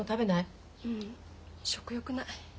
ううん食欲ない。